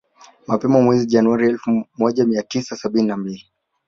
Mapema mwezi Januari elfu moja mia tisa sabini na mbili